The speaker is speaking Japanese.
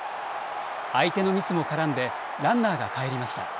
相手のミスも絡んでランナーが帰りました。